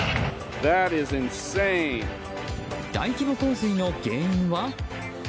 大規模洪水の原因は？